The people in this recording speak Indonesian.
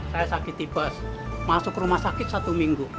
saya sakit tiba masuk rumah sakit satu minggu